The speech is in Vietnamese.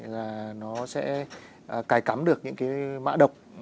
là nó sẽ cài cắm được những cái mã độc